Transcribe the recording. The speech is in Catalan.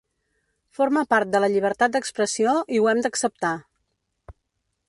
Forma part de la llibertat d’expressió i ho hem d’acceptar.